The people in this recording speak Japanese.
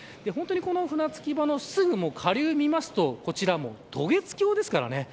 船着き場のすぐ下流を見るとこちら、渡月橋ですからね。